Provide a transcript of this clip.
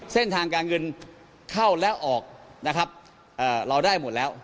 เส้นทางการเงินเข้าและออกเราได้หมดแล้ว